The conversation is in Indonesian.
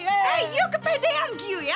hei yuk kepedean giyu ya